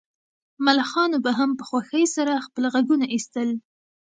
ملخانو به هم په خوښۍ سره خپل غږونه ایستل